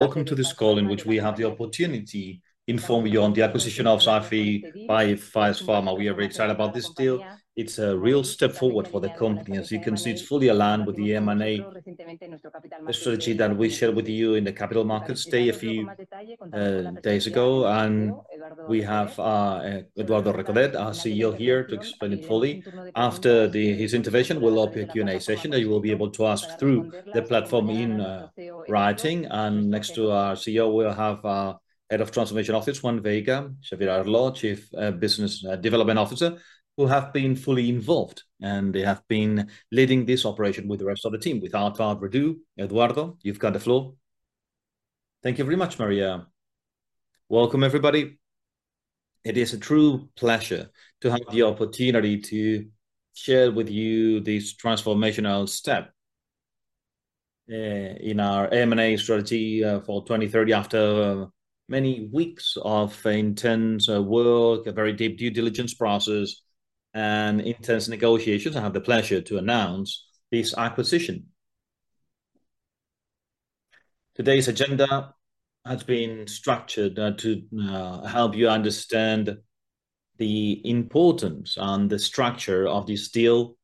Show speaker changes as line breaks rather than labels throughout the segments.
Welcome to this call in which we have the opportunity to inform you on the acquisition of SIFI by Faes Farma. We are very excited about this deal. It's a real step forward for the company. As you can see, it's fully aligned with the M&A strategy that we shared with you in the capital markets day a few days ago. We have Eduardo Recoder, our CEO, here to explain it fully. After his intervention, we'll open a Q&A session that you will be able to ask through the platform in writing. Next to our CEO, we'll have our Head of Transformation Office, Juan Veiga, Xavier Arlaud, Chief Business Development Officer, who have been fully involved, and they have been leading this operation with the rest of the team. Without further ado, Eduardo, you've got the floor.
Thank you very much, Maria. Welcome, everybody. It is a true pleasure to have the opportunity to share with you this transformational step in our M&A strategy for 2030. After many weeks of intense work, a very deep due diligence process, and intense negotiations, I have the pleasure to announce this acquisition. Today's agenda has been structured to help you understand the importance and the structure of this deal.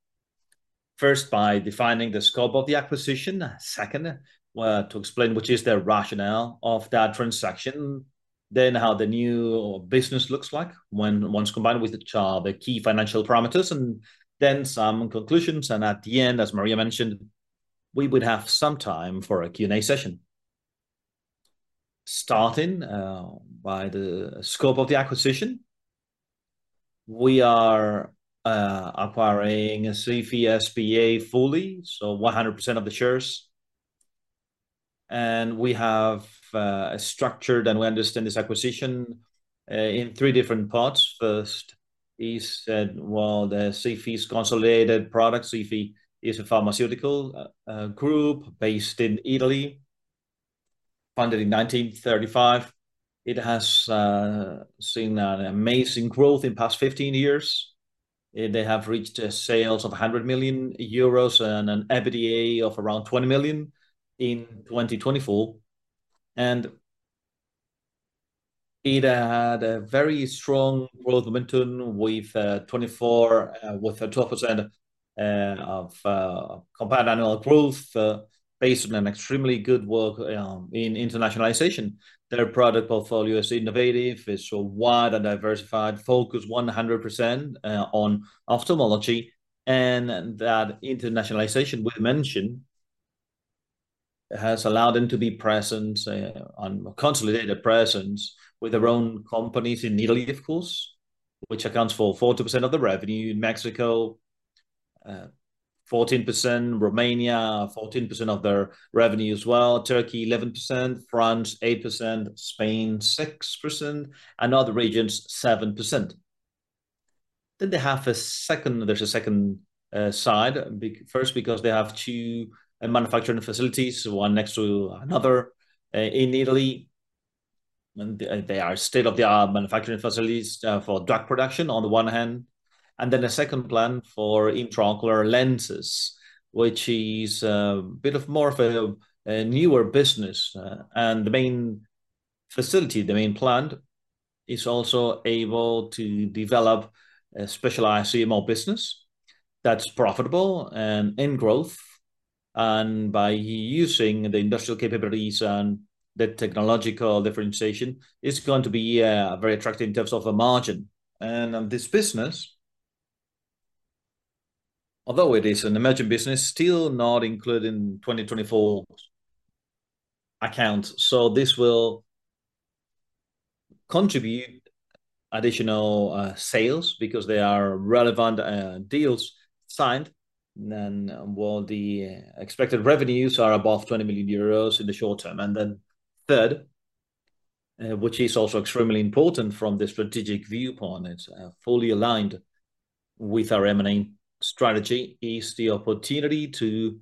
First, by defining the scope of the acquisition. Second, to explain which is the rationale of that transaction. Then, how the new business looks like once combined with the key financial parameters. Then some conclusions. At the end, as Maria mentioned, we would have some time for a Q&A session. Starting by the scope of the acquisition, we are acquiring SIFI fully, so 100% of the shares. We have a structure that we understand this acquisition in three different parts. First is that, the SIFI is a consolidated product. SIFI is a pharmaceutical group based in Italy, founded in 1935. It has seen an amazing growth in the past 15 years. They have reached sales of 100 million euros and an EBITDA of around 20 million in 2024. It had a very strong growth momentum with a 12% of compound annual growth based on an extremely good work in internationalization. Their product portfolio is innovative, so wide and diversified, focused 100% on ophthalmology. That internationalization we mentioned has allowed them to be present, a consolidated presence with their own companies in Italy, of course, which accounts for 40% of the revenue, in Mexico, 14%, Romania, 14% of their revenue as well, Turkey 11%, France 8%, Spain 6%, and other regions 7%. They have a second side, first because they have two manufacturing facilities, one next to another in Italy. They are state-of-the-art manufacturing facilities for drug production on the one hand. Then a second plant for intraocular lenses, which is a bit more of a newer business. The main facility, the main plant, is also able to develop a specialized CMO business that's profitable and in growth. By using the industrial capabilities and the technological differentiation, it's going to be very attractive in terms of a margin. This business, although it is an emerging business, is still not included in 2024 accounts. This will contribute additional sales because there are relevant deals signed. The expected revenues are above 20 million euros in the short term. Third, which is also extremely important from the strategic viewpoint, it's fully aligned with our M&A strategy, is the opportunity to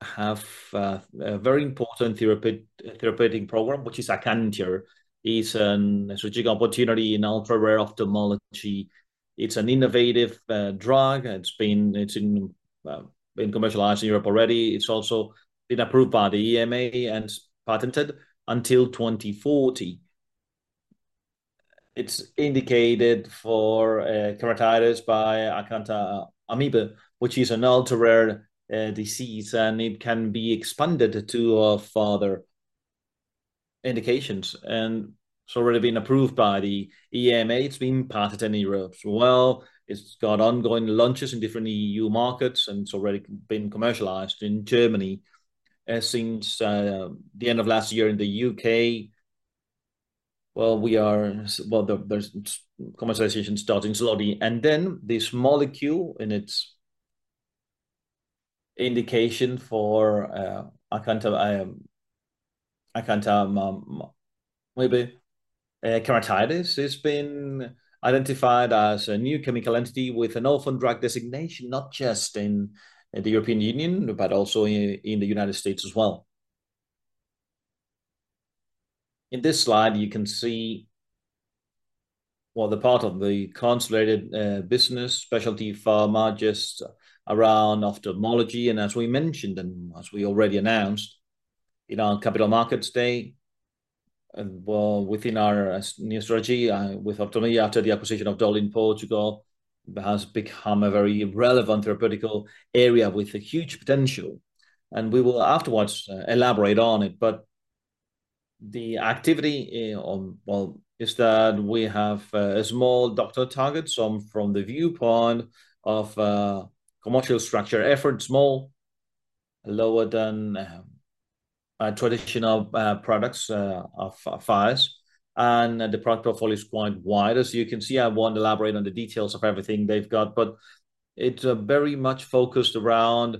have a very important therapeutic program, which is Acantia. It's a strategic opportunity in ultra-rare ophthalmology. It's an innovative drug. It's been commercialized in Europe already. It's also been approved by the EMA and patented until 2040. It's indicated for keratitis by Acanthamoeba, which is an ultra-rare disease, and it can be expanded to further indications. It's already been approved by the EMA. It's been patented in Europe. It's got ongoing launches in different EU markets, and it's already been commercialized in Germany since the end of last year. In the U.K., there's commercialization starting slowly. This molecule in its indication for Acanthamoeba keratitis has been identified as a new chemical entity with an orphan drug designation, not just in the European Union, but also in the United States as well. In this slide, you can see the part of the consolidated business specialty pharma just around ophthalmology. As we mentioned, and as we already announced in our capital markets day, within our new strategy with Optomia, after the acquisition of Edol in Portugal, it has become a very relevant therapeutical area with a huge potential. We will afterwards elaborate on it. The activity is that we have small doctor targets, some from the viewpoint of commercial structure efforts, small, lower than traditional products of Faes. The product portfolio is quite wide. As you can see, I won't elaborate on the details of everything they've got, but it's very much focused around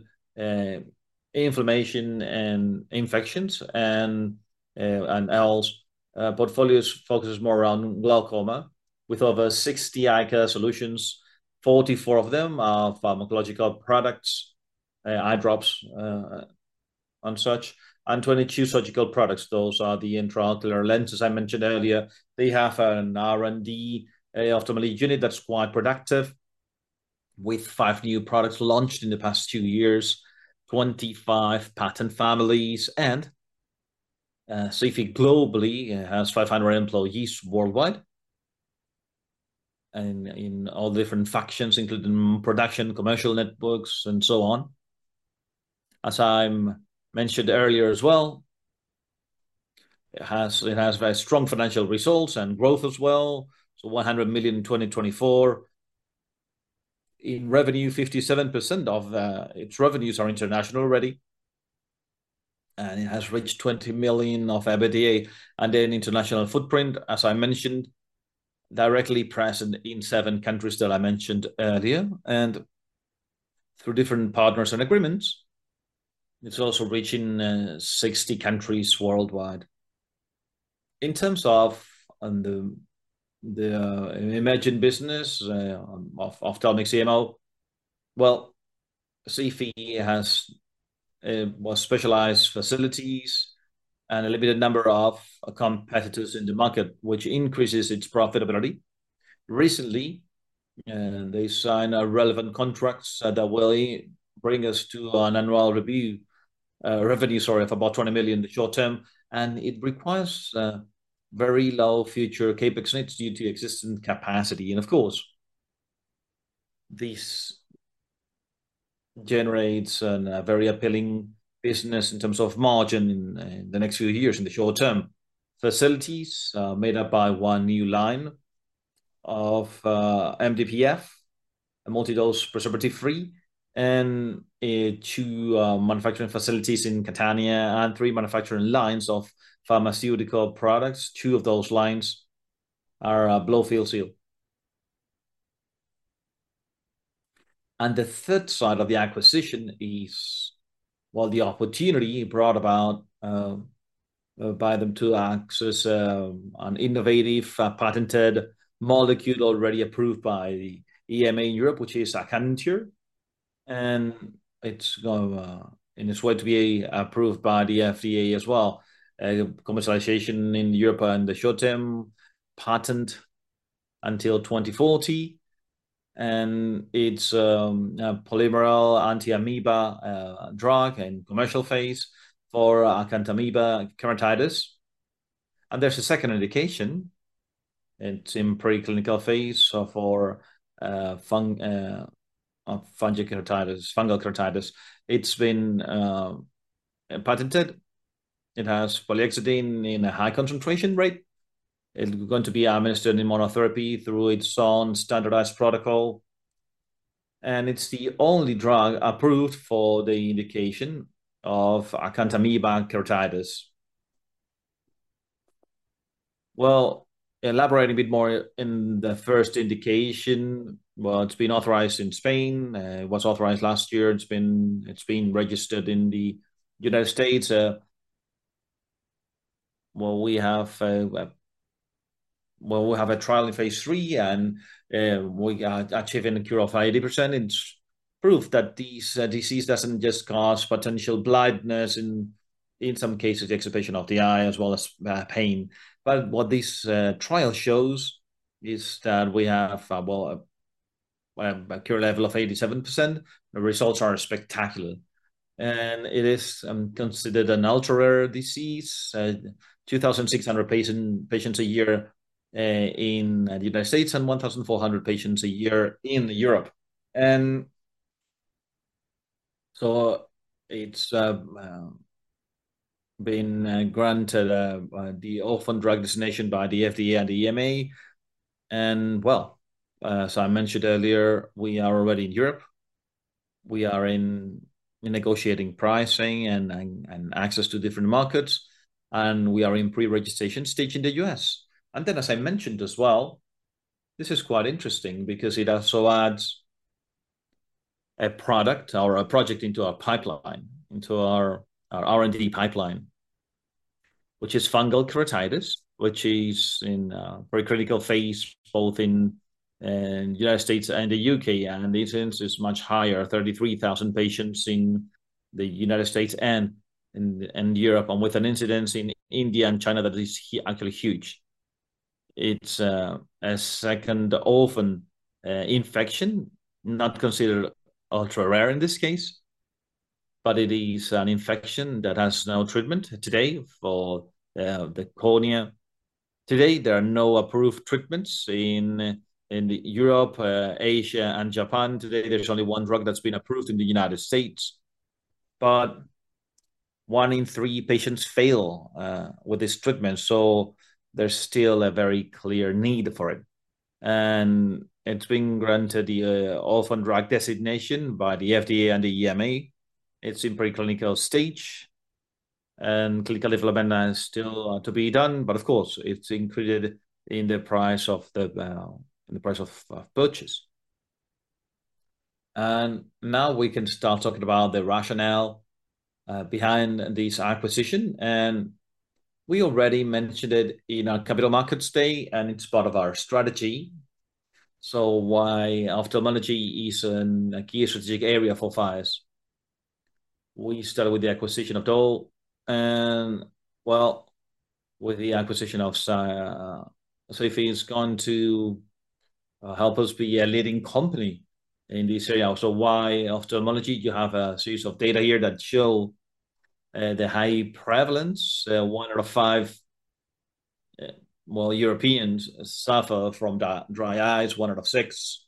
inflammation and infections and else. Portfolios focuses more around glaucoma with over 60 eye care solutions, 44 of them are pharmacological products, eye drops and such, and 22 surgical products. Those are the intraocular lenses. I mentioned earlier, they have an R&D ophthalmology unit that's quite productive with five new products launched in the past two years, 25 patent families. And SIFI globally has 500 employees worldwide in all different factions, including production, commercial networks, and so on. As I mentioned earlier as well, it has very strong financial results and growth as well. 100 million in 2024 in revenue, 57% of its revenues are international already. It has reached 20 million of EBITDA and an international footprint, as I mentioned, directly present in seven countries that I mentioned earlier. Through different partners and agreements, it is also reaching 60 countries worldwide. In terms of the emerging business of ophthalmic CMO, CFE has specialized facilities and a limited number of competitors in the market, which increases its profitability. Recently, they signed relevant contracts that will bring us to an annual revenue of about 20 million in the short term. It requires very low future CapEx needs due to existing capacity. This generates a very appealing business in terms of margin in the next few years in the short term. Facilities are made up by one new line of MDPF, a multi-dose preservative-free, and two manufacturing facilities in Catania and three manufacturing lines of pharmaceutical products. Two of those lines are blow-fill seal. The third side of the acquisition is the opportunity brought about by them to access an innovative patented molecule already approved by the EMA in Europe, which is Acantia. It is on its way to be approved by the FDA as well. Commercialization in Europe in the short term, patent until 2040. It is a polymeral anti-amoeba drug in commercial phase for Acanthamoeba keratitis. There is a second indication. It is in preclinical phase for fungal keratitis. It has been patented. It has polyhexidine in a high concentration rate. It is going to be administered in monotherapy through its own standardized protocol. It is the only drug approved for the indication of Acanthamoeba keratitis. Elaborating a bit more in the first indication, it has been authorized in Spain. It was authorized last year. It has been registered in the United States. We have a trial in phase three, and we are achieving a cure of 80%. It's proof that this disease doesn't just cause potential blindness in some cases, excitation of the eye as well as pain. What this trial shows is that we have a cure level of 87%. The results are spectacular. It is considered an ultra-rare disease, 2,600 patients a year in the United States and 1,400 patients a year in Europe. It has been granted the orphan drug designation by the FDA and the EMA. As I mentioned earlier, we are already in Europe. We are negotiating pricing and access to different markets. We are in pre-registration stage in the U.S. As I mentioned as well, this is quite interesting because it also adds a product or a project into our pipeline, into our R&D pipeline, which is fungal keratitis, which is in a very critical phase both in the U.S. and the U.K. The incidence is much higher, 33,000 patients in the U.S. and in Europe, and with an incidence in India and China that is actually huge. It is a second orphan infection, not considered ultra-rare in this case, but it is an infection that has no treatment today for the cornea. Today, there are no approved treatments in Europe, Asia, and Japan. Today, there is only one drug that has been approved in the U.S. One in three patients fail with this treatment. There is still a very clear need for it. It's been granted the orphan drug designation by the FDA and the EMA. It's in preclinical stage. Clinical development is still to be done. Of course, it's included in the price of purchase. Now we can start talking about the rationale behind this acquisition. We already mentioned it in our capital markets day and it's part of our strategy. Ophthalmology is a key strategic area for Faes Farma. We started with the acquisition of Edol. With the acquisition of SIFI, it's going to help us be a leading company in this area. Why ophthalmology? You have a series of data here that show the high prevalence. One out of five Europeans suffer from dry eyes. One out of six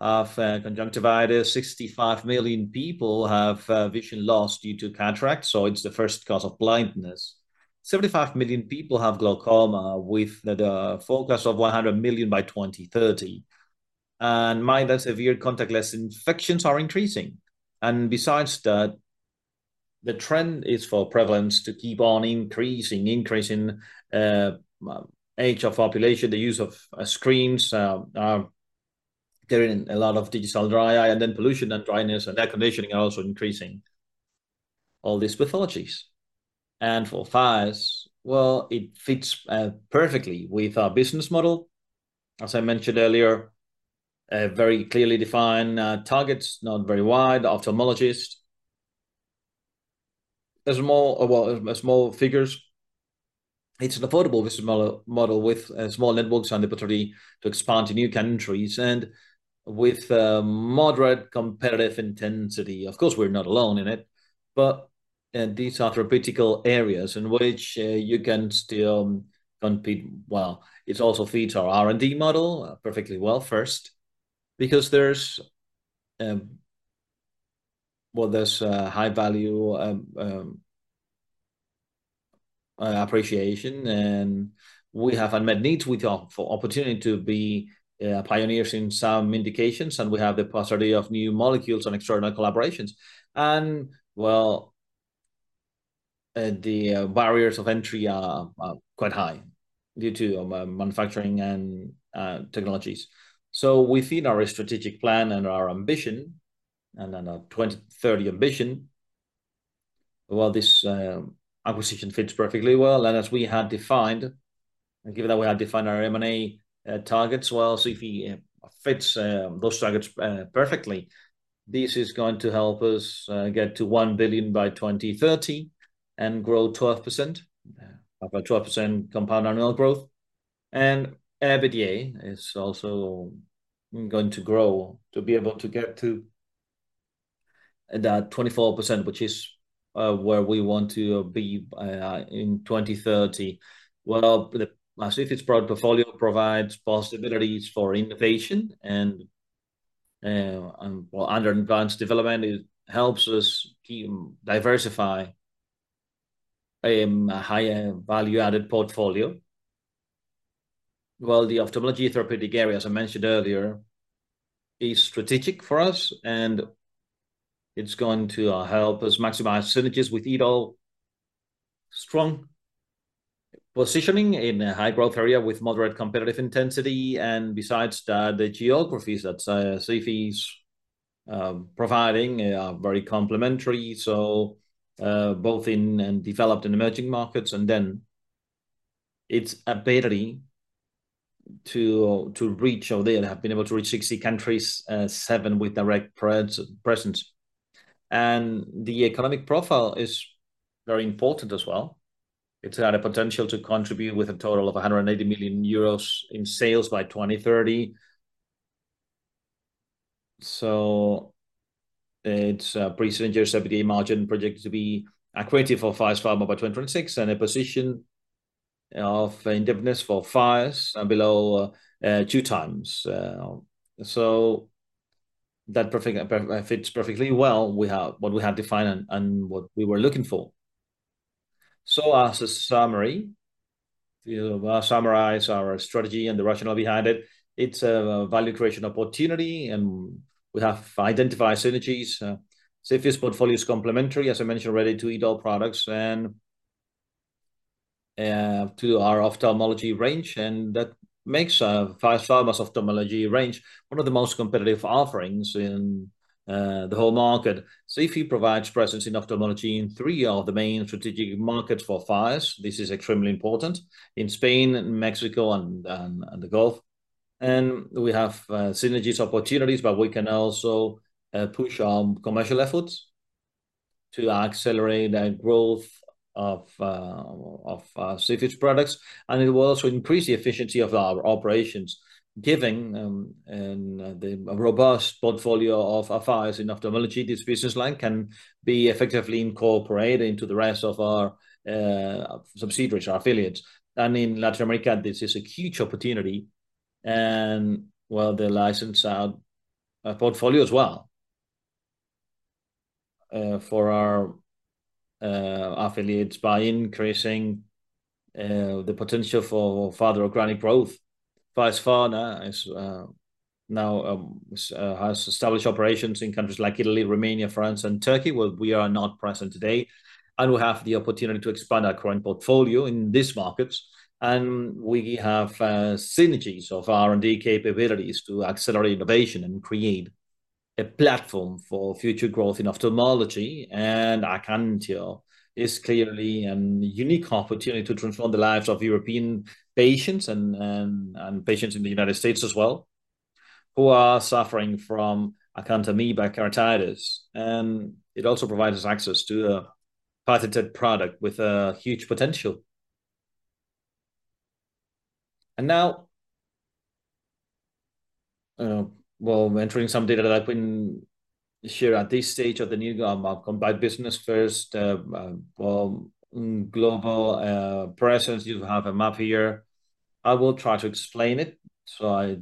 have conjunctivitis. 65 million people have vision loss due to cataracts. It's the first cause of blindness. Seventy-five million people have glaucoma with a focus of 100 million by 2030. Minor severe contactless infections are increasing. Besides that, the trend is for prevalence to keep on increasing, increasing age of population. The use of screens is getting a lot of digital dry eye. Pollution and dryness and air conditioning are also increasing all these pathologies. For Faes, it fits perfectly with our business model. As I mentioned earlier, very clearly defined targets, not very wide, ophthalmologist. There are more small figures. It is an affordable business model with small networks and the ability to expand to new countries and with moderate competitive intensity. Of course, we are not alone in it. These are therapeutical areas in which you can still compete. It also feeds our R&D model perfectly well first because there is high value appreciation. We have unmet needs. We have the opportunity to be pioneers in some indications. We have the possibility of new molecules and external collaborations. The barriers of entry are quite high due to manufacturing and technologies. Within our strategic plan and our ambition and our 2030 ambition, this acquisition fits perfectly well. As we had defined, and given that we had defined our M&A targets, CFE fits those targets perfectly. This is going to help us get to 1 billion by 2030 and grow 12%, about 12% compound annual growth. EBITDA is also going to grow to be able to get to that 24%, which is where we want to be in 2030. The CFE's product portfolio provides possibilities for innovation. Under advanced development, it helps us diversify a higher value-added portfolio. The ophthalmology therapeutic area, as I mentioned earlier, is strategic for us. It is going to help us maximize synergies with EDOL, strong positioning in a high-growth area with moderate competitive intensity. Besides that, the geographies that SIFI is providing are very complementary, both in developed and emerging markets. It is a battery to reach over there. They have been able to reach 60 countries, seven with direct presence. The economic profile is very important as well. It has a potential to contribute with a total of 180 million euros in sales by 2030. It is a pre-synergious EBITDA margin projected to be accretive for Faes Farma by 2026 and a position of indemnities for Faes below two times. That fits perfectly well with what we had defined and what we were looking for. To summarize our strategy and the rationale behind it, it's a value creation opportunity. We have identified synergies. SIFI's portfolio is complementary, as I mentioned already, to EDOL products and to our ophthalmology range. That makes Faes Farma's ophthalmology range one of the most competitive offerings in the whole market. SIFI provides presence in ophthalmology in three of the main strategic markets for Faes. This is extremely important in Spain, Mexico, and the Gulf. We have synergies opportunities, but we can also push our commercial efforts to accelerate the growth of SIFI's products. It will also increase the efficiency of our operations. Given the robust portfolio of Faes in ophthalmology, this business line can be effectively incorporated into the rest of our subsidiaries or affiliates. In Latin America, this is a huge opportunity. They license our portfolio as well for our affiliates by increasing the potential for further organic growth. Faes Farma now has established operations in countries like Italy, Romania, France, and Turkey, where we are not present today. We have the opportunity to expand our current portfolio in these markets. We have synergies of R&D capabilities to accelerate innovation and create a platform for future growth in ophthalmology. Acantia is clearly a unique opportunity to transform the lives of European patients and patients in the U.S. as well who are suffering from Acanthamoeba keratitis. It also provides us access to a patented product with a huge potential. Now, we are entering some data that I have been sharing at this stage of the new company by business first. Global presence, you have a map here. I will try to explain it. I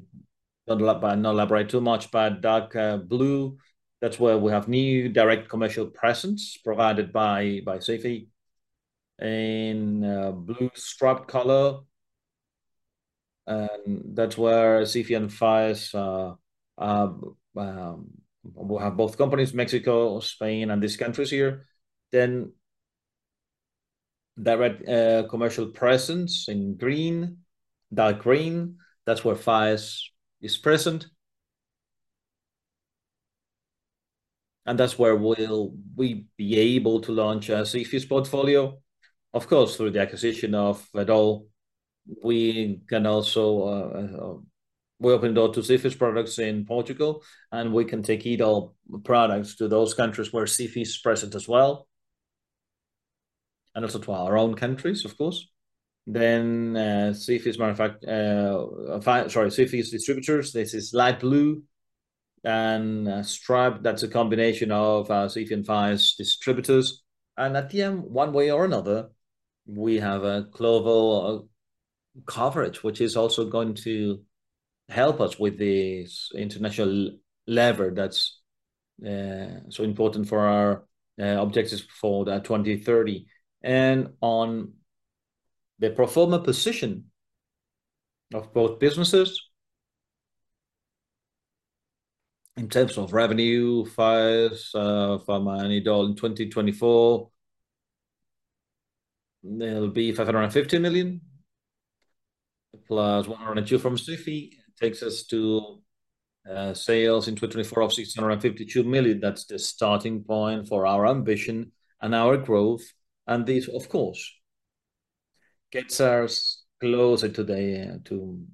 don't elaborate too much. Dark blue, that's where we have new direct commercial presence provided by SIFI. Blue striped color, that's where SIFI and Faes will have both companies, Mexico, Spain, and these countries here. Direct commercial presence in green, dark green, that's where Faes is present. That's where we'll be able to launch SIFI's portfolio. Of course, through the acquisition of EDOL, we can also open door to SIFI's products in Portugal. We can take EDOL products to those countries where SIFI is present as well, and also to our own countries, of course. SIFI's distributors, this is light blue and striped. That's a combination of SIFI and Faes distributors. At the end, one way or another, we have a global coverage, which is also going to help us with this international lever that's so important for our objectives for 2030. On the proforma position of both businesses, in terms of revenue, Faes and EDOL in 2024, there will be 550 million. Plus 102 million from CFE takes us to sales in 2024 of 652 million. That's the starting point for our ambition and our growth. This, of course, gets us closer today to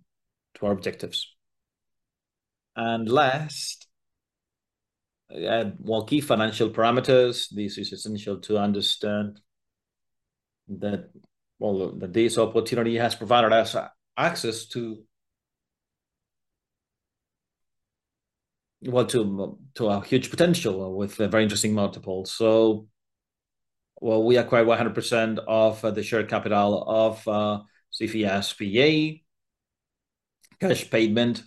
our objectives. Last, more key financial parameters. This is essential to understand that this opportunity has provided us access to a huge potential with a very interesting multiple. We acquire 100% of the share capital of CFE SPA cash payment.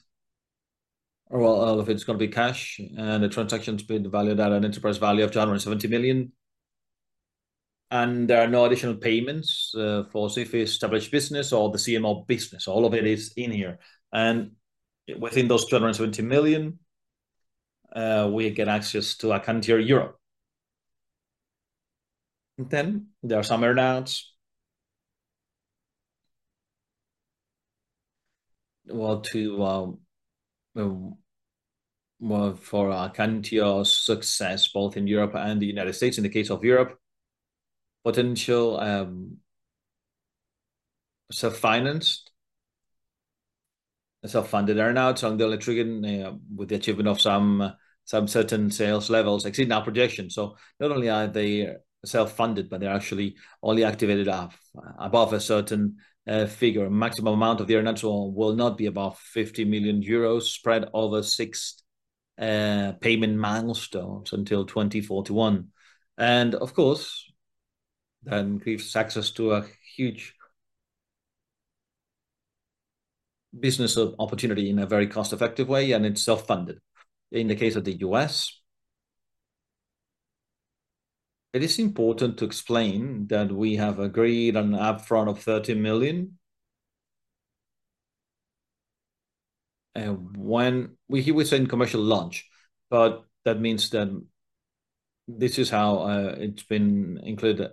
All of it's going to be cash. The transaction's been valued at an enterprise value of 270 million. There are no additional payments for SIFI's established business or the CMO business. All of it is in here. Within those 270 million, we get access to Acantia Europe. There are some earnouts for Acantia's success both in Europe and the United States. In the case of Europe, potential self-financed, self-funded earnouts on the electrician with the achievement of some certain sales levels exceeding our projections. Not only are they self-funded, but they're actually only activated above a certain figure. Maximum amount of the earnouts will not be above 50 million euros spread over six payment milestones until 2041. That gives us access to a huge business opportunity in a very cost-effective way. It's self-funded.
In the case of the U.S., it is important to explain that we have agreed on an upfront of 30 million. When we hear we say in commercial launch, but that means that this is how it's been included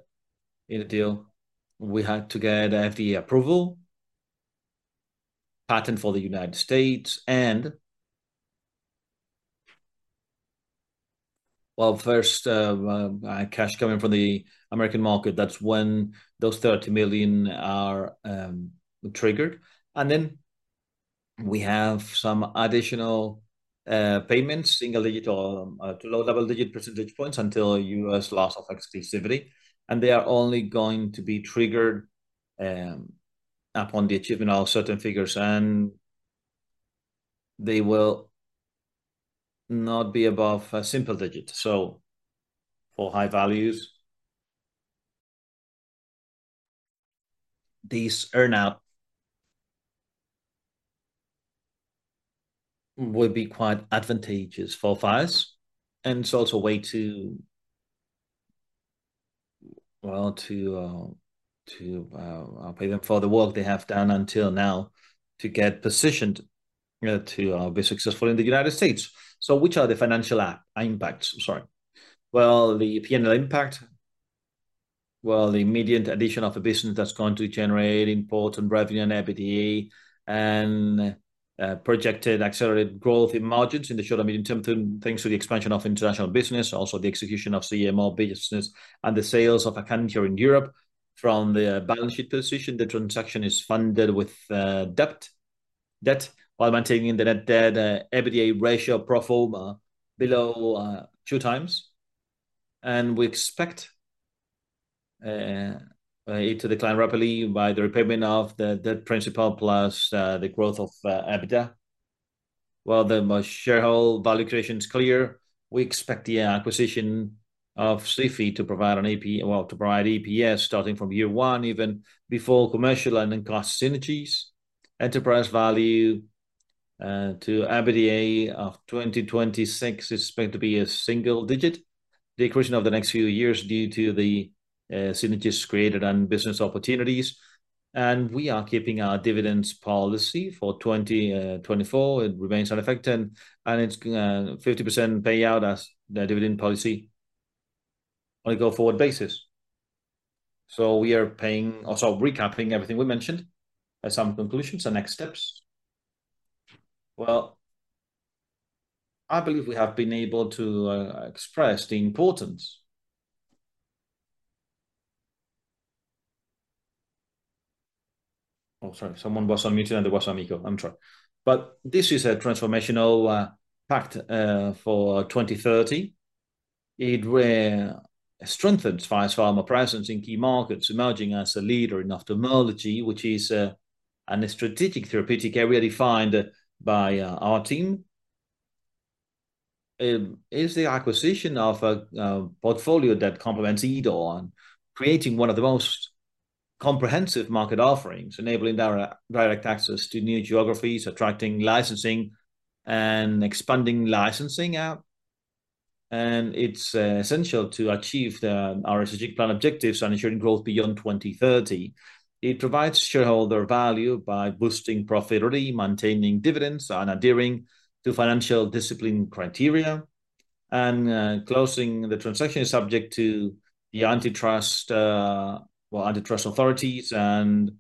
in a deal. We had to get FDA approval, patent for the United States. First, cash coming from the American market. That's when those 30 million are triggered. Then we have some additional payments, single digit or low-level digit percentage points until U.S. loss of exclusivity. They are only going to be triggered upon the achievement of certain figures. They will not be above a single digit. For high values, this earnout would be quite advantageous for Faes. It is also a way to, well, to pay them for the work they have done until now to get positioned to be successful in the United States. Which are the financial impacts? Sorry.
The P&L impact, the immediate addition of a business that is going to generate important revenue and EBITDA and projected accelerated growth in margins in the short and medium term thanks to the expansion of international business, also the execution of CMO business, and the sales of Acantia in Europe. From the balance sheet position, the transaction is funded with debt while maintaining the net debt EBITDA ratio pro forma below 2 times. We expect it to decline rapidly by the repayment of the debt principal plus the growth of EBITDA. The shareholder value creation is clear. We expect the acquisition of SIFI to provide EPS, well, to provide EPS starting from year one, even before commercial and then cost synergies. Enterprise value to EBITDA of 2026 is expected to be a single digit, decreasing over the next few years due to the synergies created and business opportunities. We are keeping our dividends policy for 2024. It remains unaffected. It is 50% payout as the dividend policy on a go-forward basis. We are paying or recapping everything we mentioned as some conclusions and next steps. I believe we have been able to express the importance. Oh, sorry. Someone was unmuted, and there was some echo. I'm sorry. This is a transformational pact for 2030. It strengthens Faes Farma presence in key markets, emerging as a leader in ophthalmology, which is a strategic therapeutic area defined by our team. is the acquisition of a portfolio that complements EDOL and creating one of the most comprehensive market offerings, enabling direct access to new geographies, attracting licensing and expanding licensing app. It is essential to achieve our strategic plan objectives and ensuring growth beyond 2030. It provides shareholder value by boosting profitability, maintaining dividends, and adhering to financial discipline criteria. Closing the transaction is subject to the antitrust authorities and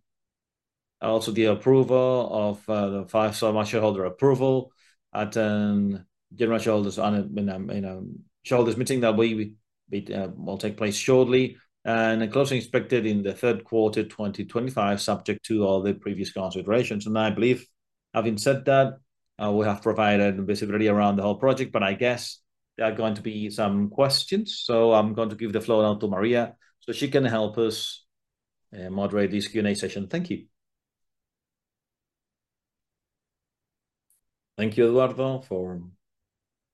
also the approval of Faes Farma shareholder approval at a general shareholders meeting that will take place shortly. Closing is expected in the third quarter 2025, subject to all the previous considerations. I believe, having said that, we have provided visibility around the whole project. I guess there are going to be some questions. I am going to give the floor now to Maria so she can help us moderate this Q&A session. Thank you.
Thank you, Eduardo, for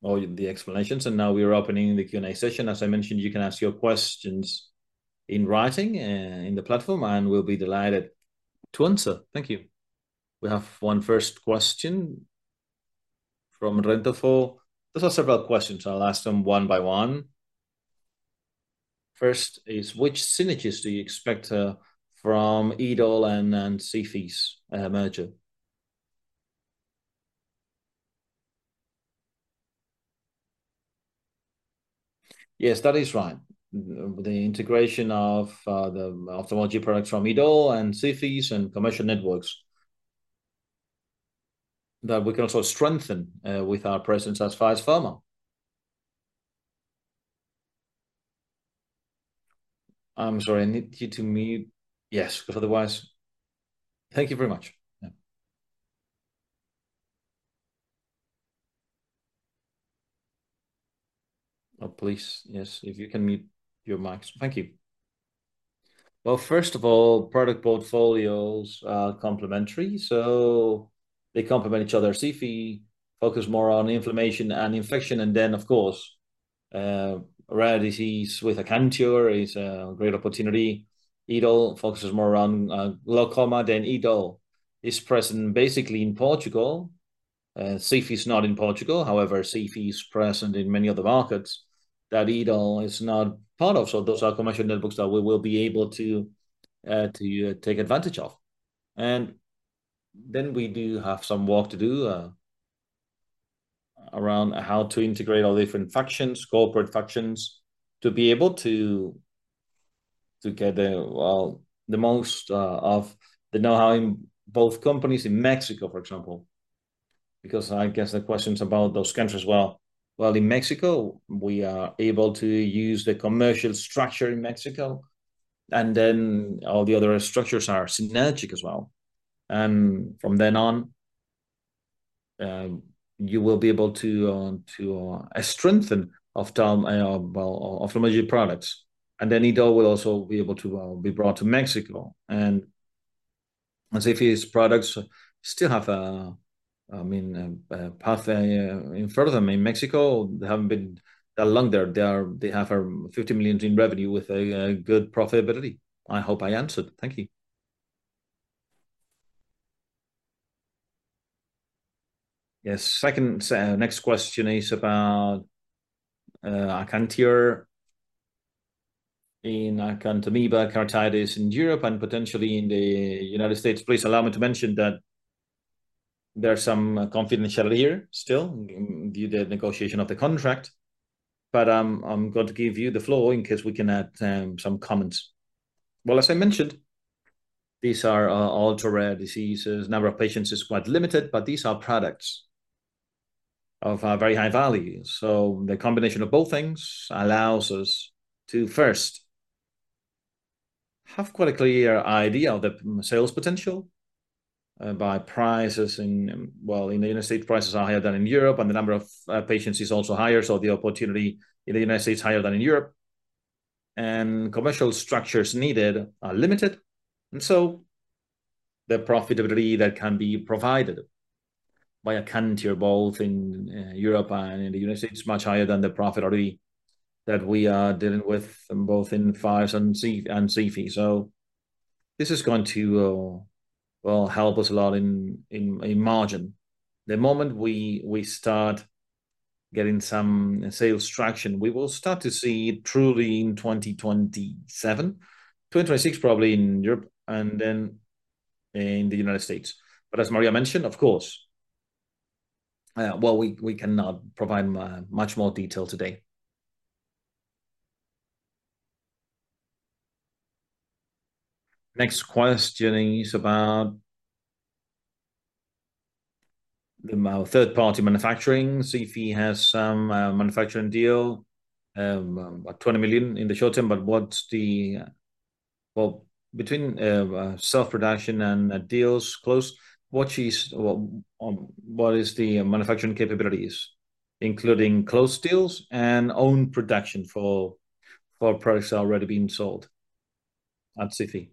all the explanations. Now we are opening the Q&A session. As I mentioned, you can ask your questions in writing in the platform, and we'll be delighted to answer. Thank you. We have one first question from Renta four. There are several questions. I'll ask them one by one. First is, which synergies do you expect from EDOL and SIFI's merger?
Yes, that is right. The integration of the ophthalmology products from EDOL and SIFI and commercial networks that we can also strengthen with our presence as Faes Farma. I'm sorry. I need you to mute. Yes, because otherwise. Thank you very much. Oh, please, yes, if you can mute your mics. Thank you. First of all, product portfolios are complementary. They complement each other. SIFI focuses more on inflammation and infection. Then, of course, rare disease with Acantia is a great opportunity. EDOL focuses more on glaucoma than EDOL is present basically in Portugal. SIFI is not in Portugal. However, SIFI is present in many other markets that EDOL is not part of. Those are commercial networks that we will be able to take advantage of. We do have some work to do around how to integrate all different factions, corporate factions, to be able to get the, well, the most of the know-how in both companies in Mexico, for example. I guess the questions about those countries as well. In Mexico, we are able to use the commercial structure in Mexico. All the other structures are synergic as well. From then on, you will be able to strengthen ophthalmology products. EDOL will also be able to be brought to Mexico. CFE's products still have, I mean, pathway in furthermore in Mexico. They haven't been that long there. They have 50 million in revenue with a good profitability. I hope I answered. Thank you.
Yes. Next question is about Acantia in Acanthamoeba keratitis in Europe and potentially in the United States. Please allow me to mention that there's some confidentiality here still due to the negotiation of the contract. I'm going to give you the floor in case we can add some comments. As I mentioned, these are all ultra-rare diseases. The number of patients is quite limited, but these are products of very high value. The combination of both things allows us to first have quite a clear idea of the sales potential by prices. In the United States, prices are higher than in Europe, and the number of patients is also higher. The opportunity in the United States is higher than in Europe. Commercial structures needed are limited, and the profitability that can be provided by Acantia both in Europe and in the United States is much higher than the profitability that we are dealing with both in Faes and SIFI. This is going to help us a lot in margin. The moment we start getting some sales traction, we will start to see it truly in 2027, 2026 probably in Europe, and then in the United States. As Maria mentioned, of course, we cannot provide much more detail today. Next question is about the third-party manufacturing. SIFI has some manufacturing deal, about 20 million in the short term. What's the, well, between self-production and deals closed, what is the manufacturing capabilities, including closed deals and own production for products that are already being sold at SIFI?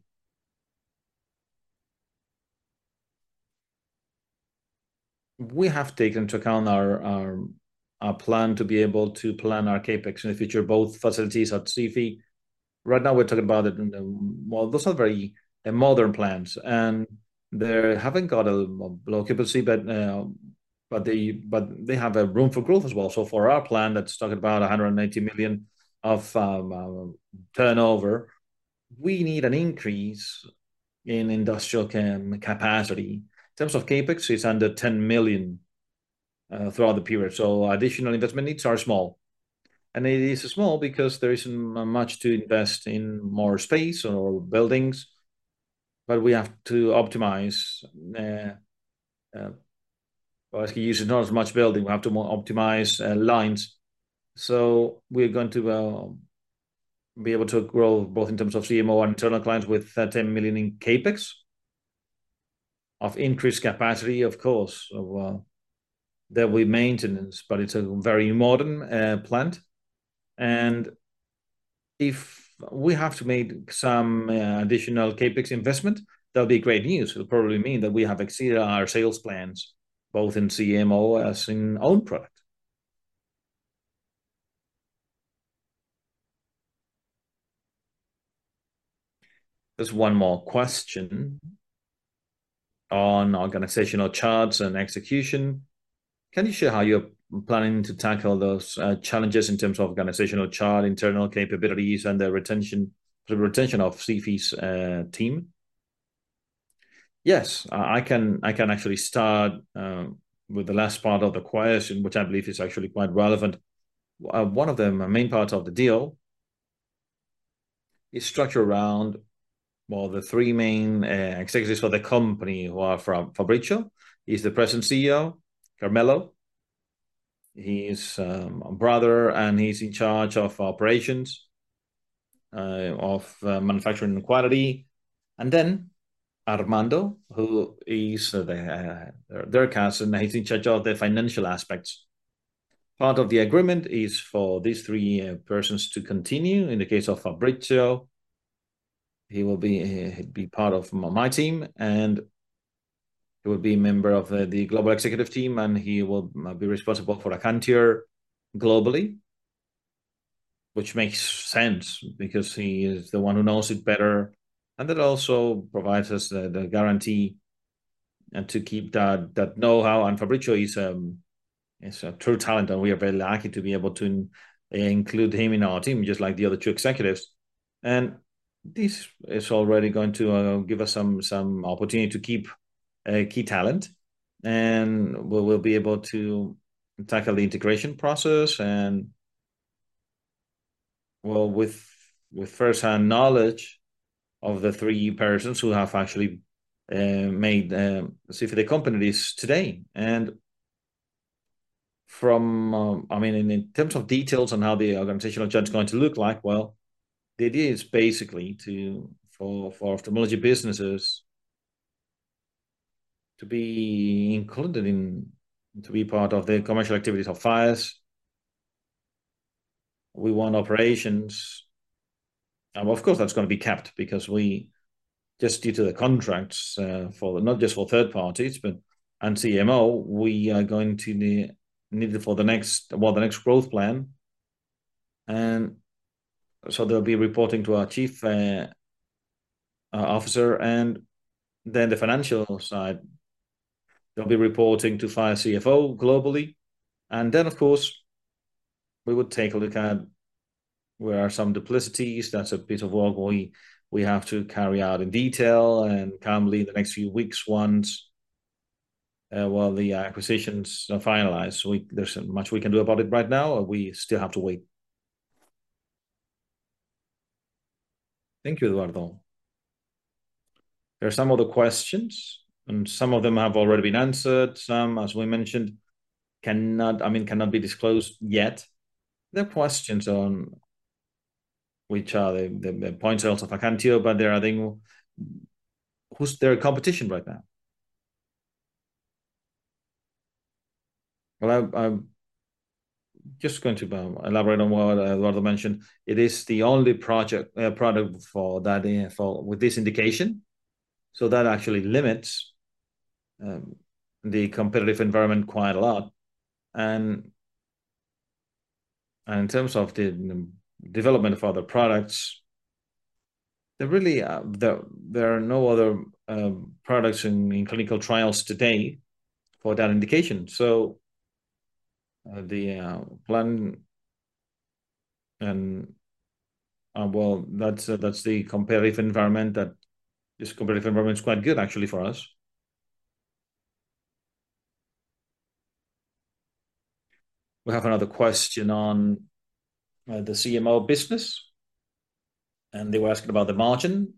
We have taken into account our plan to be able to plan our CapEx in the future, both facilities at SIFI. Right now, we're talking about, well, those are very modern plants. They have not got a low capability, but they have room for growth as well. For our plan that's talking about 180 million of turnover, we need an increase in industrial capacity. In terms of CapEx, it's under 10 million throughout the period. Additional investment needs are small. It is small because there is not much to invest in more space or buildings. We have to optimize. I can use it not as much building. We have to optimize lines. We are going to be able to grow both in terms of CMO and internal clients with 10 million in CapEx of increased capacity. Of course, of that, we have maintenance. It is a very modern plant. If we have to make some additional CapEx investment, that will be great news. It will probably mean that we have exceeded our sales plans, both in CMO and in own product.
There is one more question on organizational charts and execution. Can you share how you are planning to tackle those challenges in terms of organizational chart, internal capabilities, and the retention of SIFI's team?
Yes, I can actually start with the last part of the question, which I believe is actually quite relevant. One of the main parts of the deal is structured around the three main executives for the company, who are from SIFI. Fabrizio, he is the present CEO, Carmelo. He's a brother, and he's in charge of operations, of manufacturing and quality. Then Armando, who is their cast, and he's in charge of the financial aspects. Part of the agreement is for these three persons to continue. In the case of Fabrizio, he will be part of my team, and he will be a member of the global executive team, and he will be responsible for Acantia globally, which makes sense because he is the one who knows it better. That also provides us the guarantee to keep that know-how. Fabrizio is a true talent, and we are very lucky to be able to include him in our team, just like the other two executives. This is already going to give us some opportunity to keep key talent. We'll be able to tackle the integration process. With firsthand knowledge of the three persons who have actually made SIFI the company today. In terms of details on how the organizational chart is going to look like, the idea is basically for ophthalmology businesses to be included in, to be part of the commercial activities of Faes. We want operations. Of course, that's going to be capped because we, just due to the contracts, not just for third parties, but and CMO, we are going to need for the next growth plan. There will be reporting to our chief officer. The financial side, there will be reporting to Faes CFO globally. Of course, we would take a look at where are some duplicities. That's a piece of work we have to carry out in detail and calmly in the next few weeks once while the acquisitions are finalized. There's not much we can do about it right now. We still have to wait.
Thank you, Eduardo. There are some other questions, and some of them have already been answered. Some, as we mentioned, cannot, I mean, cannot be disclosed yet. There are questions on which are the points also for Acantia, but there are, I think, who's their competition right now? I'm just going to elaborate on what Eduardo mentioned. It is the only product for that with this indication. That actually limits the competitive environment quite a lot. In terms of the development of other products, there really are no other products in clinical trials today for that indication. The plan, and that comparative environment, that comparative environment is quite good actually for us. We have another question on the CMO business, and they were asking about the margin.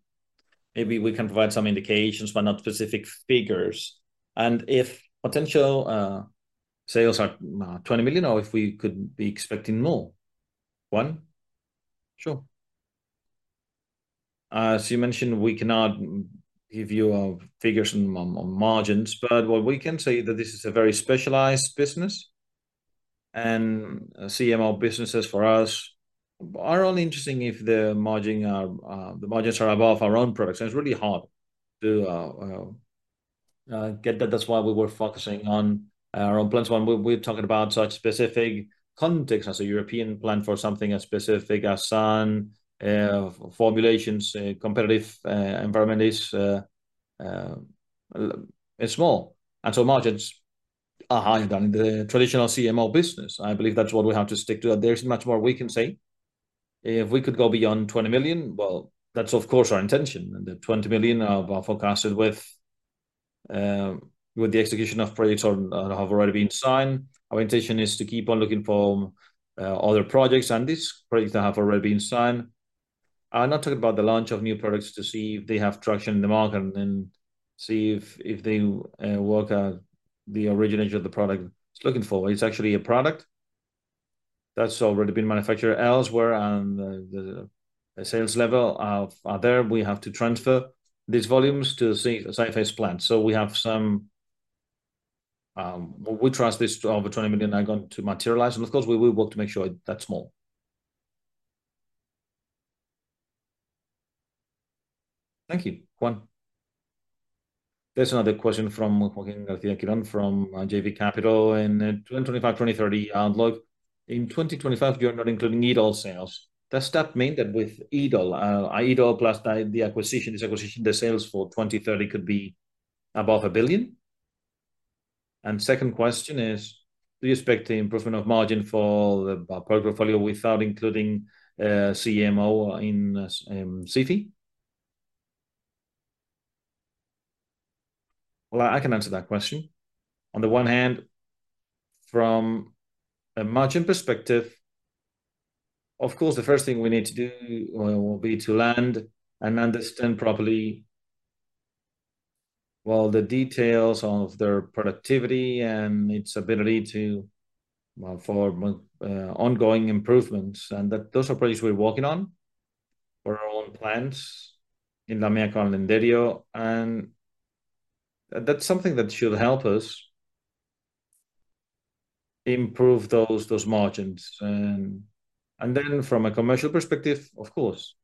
Maybe we can provide some indications, but not specific figures. If potential sales are 20 million, or if we could be expecting more. One?
Sure. As you mentioned, we cannot give you figures on margins, but what we can say is that this is a very specialized business. CMO businesses for us are only interesting if the margins are above our own products. It is really hard to get that. That is why we were focusing on our own plans. When we are talking about such specific contexts, as a European plan for something as specific as sun formulations, competitive environment is small. Margins are higher than in the traditional CMO business. I believe that's what we have to stick to. There's much more we can say. If we could go beyond 20 million, that's, of course, our intention. The 20 million are forecasted with the execution of projects that have already been signed. Our intention is to keep on looking for other projects, and these projects that have already been signed. I'm not talking about the launch of new products to see if they have traction in the market and then see if they work at the origination of the product. Looking for. It's actually a product that's already been manufactured elsewhere, and the sales level are there. We have to transfer these volumes to the Saeface plant. We trust this over 20 million are going to materialize. Of course, we will work to make sure that's small. Thank you. One.
There's another question from Joaquín García Quirón from JV Capital in 2025, 2030 outlook. In 2025, you're not including EDOL sales. Does that mean that with EDOL, EDOL plus the acquisition, this acquisition, the sales for 2030 could be above €1 billion? Second question is, do you expect the improvement of margin for the portfolio without including CMO in SIFI?
I can answer that question. On the one hand, from a margin perspective, of course, the first thing we need to do will be to land and understand properly, well, the details of their productivity and its ability for ongoing improvements. Those are projects we're working on for our own plants in Leioa and Linderio. That's something that should help us improve those margins. From a commercial perspective, of course,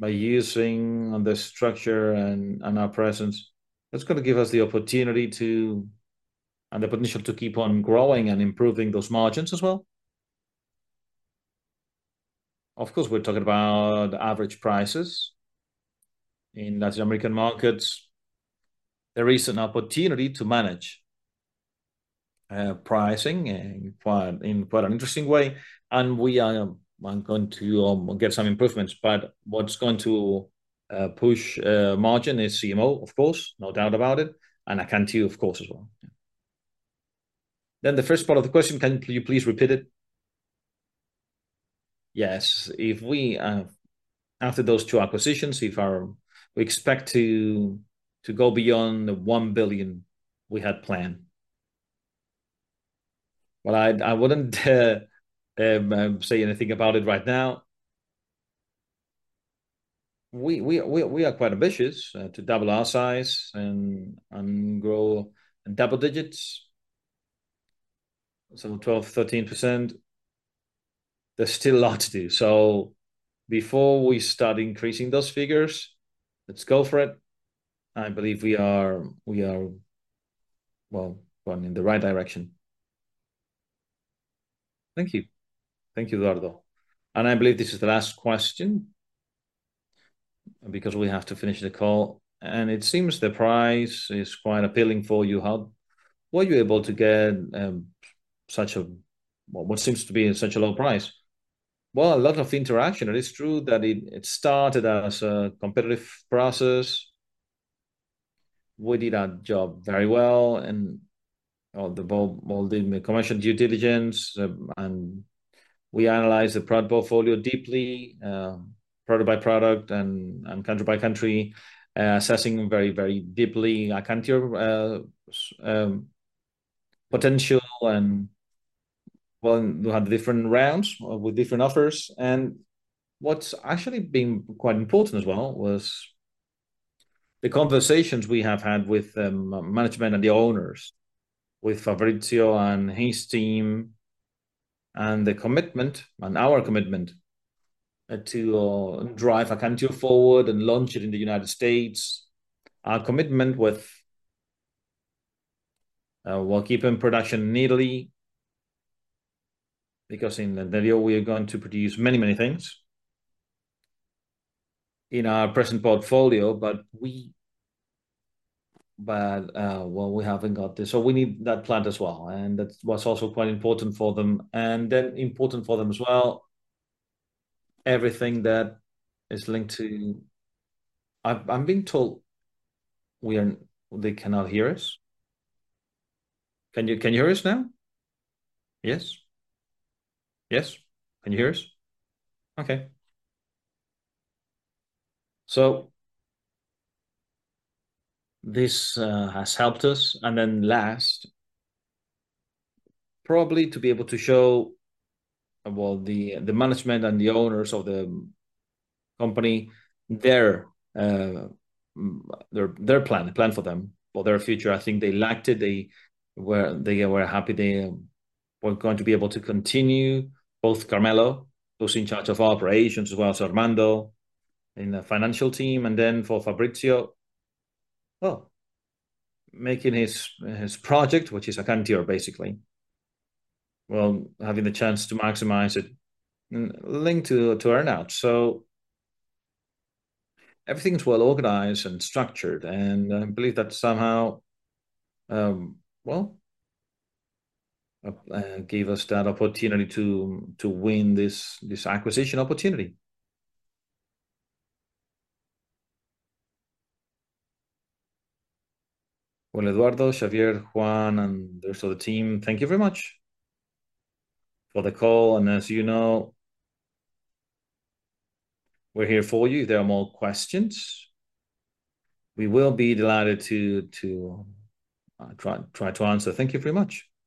by using the structure and our presence, that is going to give us the opportunity to and the potential to keep on growing and improving those margins as well. Of course, we are talking about average prices in Latin American markets. There is an opportunity to manage pricing in quite an interesting way. We are going to get some improvements. What is going to push margin is CMO, of course. No doubt about it. Acantia, of course, as well. The first part of the question, can you please repeat it? Yes. If we, after those two acquisitions, expect to go beyond the 1 billion we had planned. I would not say anything about it right now. We are quite ambitious to double our size and grow in double digits, so 12%-13%. There is still a lot to do. Before we start increasing those figures, let's go for it. I believe we are, well, going in the right direction.
Thank you. Thank you, Eduardo. I believe this is the last question because we have to finish the call. It seems the price is quite appealing for you. How were you able to get such a, what seems to be such a low price?
A lot of interaction. It is true that it started as a competitive process. We did our job very well and all the commercial due diligence. We analyzed the product portfolio deeply, product by product and country by country, assessing very, very deeply Acantia potential. We had different rounds with different offers. What's actually been quite important as well was the conversations we have had with management and the owners, with Fabrizio and his team, and the commitment, and our commitment to drive Acantia forward and launch it in the United States. Our commitment with, well, keeping production neatly because in Linderio, we are going to produce many, many things in our present portfolio. We haven't got this, so we need that plant as well. That was also quite important for them. Important for them as well, everything that is linked to, I'm being told they cannot hear us. Can you hear us now? Yes? Yes? Can you hear us? Okay. This has helped us. Last, probably to be able to show the management and the owners of the company, their plan for them, their future. I think they liked it. They were happy. They were going to be able to continue, both Carmelo, who's in charge of operations, as well as Armando in the financial team, and for Fabrizio, making his project, which is Acantia, basically, having the chance to maximize it linked to earnouts. Everything's well organized and structured. I believe that somehow, that gave us that opportunity to win this acquisition opportunity.
Eduardo, Xavier, Juan, and the rest of the team, thank you very much for the call. As you know, we're here for you. If there are more questions, we will be delighted to try to answer. Thank you very much.